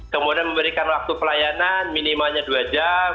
kemudian memberikan waktu pelayanan minimalnya dua jam